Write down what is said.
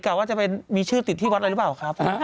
ว่าจะไปมีชื่อติดที่วัดอะไรหรือเปล่าครับ